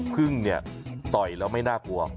พึ่งเนี่ยต่อยแล้วไม่น่ากลัว